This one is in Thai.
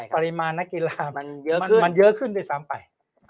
ปริมาณนักกีฬามันเยอะขึ้นได้สามไป